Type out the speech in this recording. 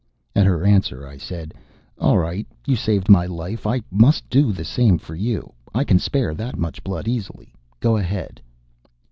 At her answer, I said, "All right. You saved my life; I must do the same for you. I can spare that much blood easily. Go ahead."